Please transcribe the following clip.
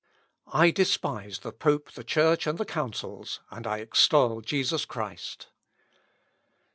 I despise the pope, the Church, and the Councils, and I extol Jesus Christ."